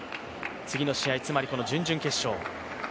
次の試合、つまりこの準々決勝。